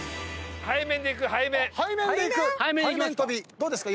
背面⁉どうですか？